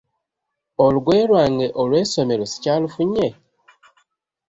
Olugoye lwange olw'essomero sikyalufunye?